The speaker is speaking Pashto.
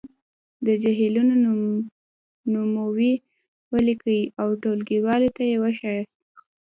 د جهیلونو نومونويې ولیکئ او ټولګیوالو ته یې وښایاست.